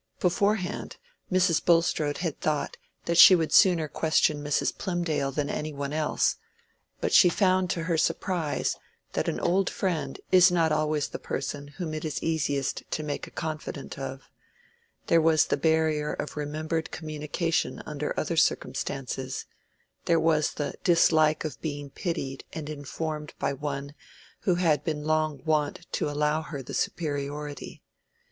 Beforehand Mrs. Bulstrode had thought that she would sooner question Mrs. Plymdale than any one else; but she found to her surprise that an old friend is not always the person whom it is easiest to make a confidant of: there was the barrier of remembered communication under other circumstances—there was the dislike of being pitied and informed by one who had been long wont to allow her the superiority.